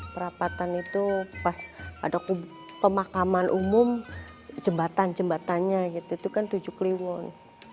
perapatan itu pas ada pemakaman umum jembatan jembatannya gitu itu kan tujuh kliwon